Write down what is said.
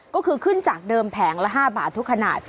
ก็คือขึ้นจากเดิมแผงละ๕บาททุกขนาด